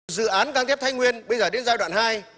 dự án gác thép thái nguyên bây giờ đến giai đoạn hai